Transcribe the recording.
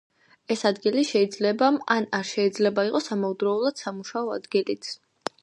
ეს ადგილი, შეიძლება ან არ შეიძლება იყოს ამავდროულად სამუშაო ადგილიც.